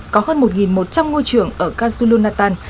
có hơn một một trăm linh ngôi trường ở kazunatan